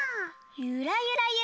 ゆらゆら。